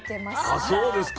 あそうですか。